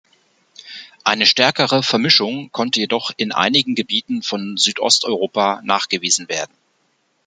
Eine stärkere Vermischung konnte jedoch in einigen Gebieten von Südosteuropa nachgewiesen werden.